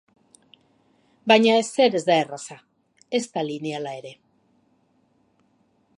Baina ezer ez da erraza, ezta lineala ere.